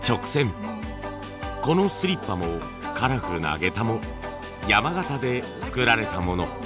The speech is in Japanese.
このスリッパもカラフルな下駄も山形で作られたもの。